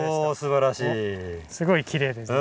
すごいきれいです。